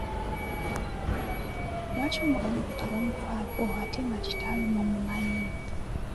Lwaki omwana oyo temumufaako ate nga kitaawe mumumanyi?